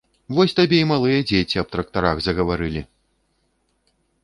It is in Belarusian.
Вось табе і малыя дзеці аб трактарах загаварылі!